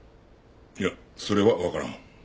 いやそれはわからん。